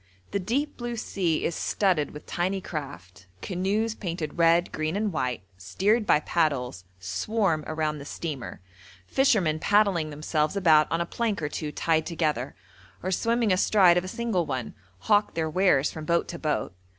The deep blue sea is studded with tiny craft: canoes painted red, green, and white, steered by paddles, swarm around the steamer; fishermen paddling themselves about on a plank or two tied together, or swimming astride of a single one, hawk their wares from boat to boat.